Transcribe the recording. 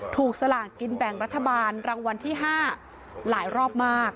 สลากินแบ่งรัฐบาลรางวัลที่๕หลายรอบมาก